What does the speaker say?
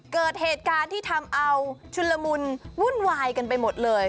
เกิดเหตุการณ์ที่ทำเอาชุนละมุนวุ่นวายกันไปหมดเลย